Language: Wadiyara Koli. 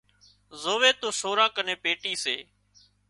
زووي تو سوران ڪنين پيٽي سي